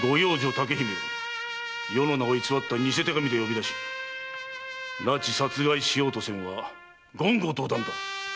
・竹姫を余の名を偽り偽手紙で呼び出し拉致殺害しようとせんは言語道断だ！